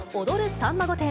さんま御殿！！